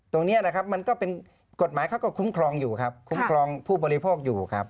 ตรงนี้นะครับมันก็เป็นกฎหมายเขาก็คุ้มครองอยู่ครับคุ้มครองผู้บริโภคอยู่ครับ